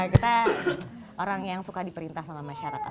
kita orang yang suka diperintah sama masyarakat